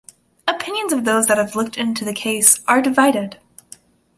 Opinions of those that have looked into the case are divided.